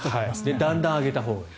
だんだん上げたほうがいい。